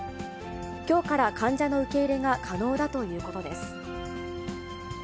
きょうから患者の受け入れが可能だということです。